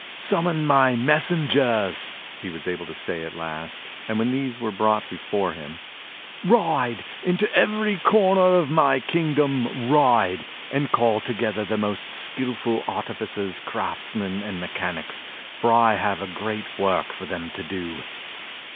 "Summon my messengers!" he was able to say at last, and when these were brought before him: "Ride! into every corner of my kingdom, ride! And call together the most skillful artificers, craftsmen and mechanics, for I have a great work for them to do."